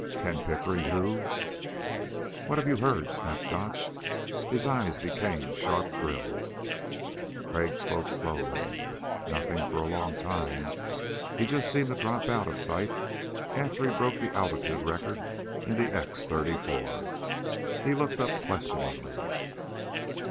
"Ken Pickering who " "What have you heard?" snapped Gotch. His eyes became sharp drills. Crag spoke slowly: "Nothing ... for a long time. He just seemed to drop out of sight after he broke the altitude record in the X 34." He looked up questioningly.